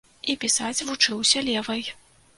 І пісаць вучыўся левай.